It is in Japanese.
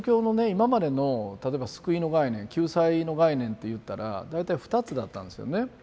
今までの例えば救いの概念救済の概念っていったら大体２つだったんですよね。